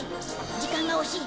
時間が惜しい。